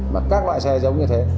mà các loại xe giống như thế